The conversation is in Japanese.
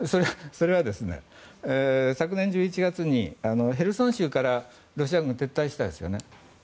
それは昨年１１月にヘルソン州からロシア軍が撤退しましたよね。